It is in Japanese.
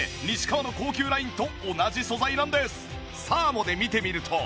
実はこれサーモで見てみると。